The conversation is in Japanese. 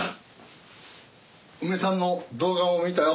お前さんの動画も見たよ。